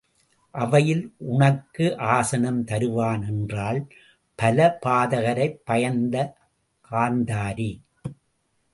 அவையில் உனக்கு ஆசனம் தருவான் என்றாள் பலபாதகரைப் பயந்த காந்தாரி.